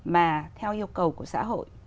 mà theo yêu cầu của xã hội